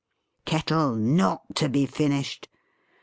Kettle not to be finished.